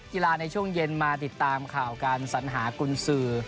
ในช่วงเย็นมาติดตามข่าวการสัญหากุญสือ